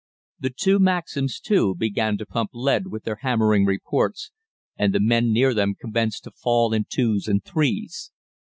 The two Maxims, too, began to pump lead with their hammering reports, and the men near them commenced to fall in twos and threes.